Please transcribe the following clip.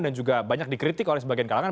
dan juga banyak dikritik oleh sebagian kalangan